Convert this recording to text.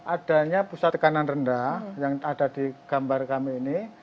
adanya pusat tekanan rendah yang ada di gambar kami ini